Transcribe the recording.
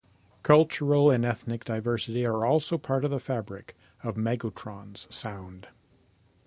Cultural and ethnic diversity are also part of the fabric of Maggotron's sound.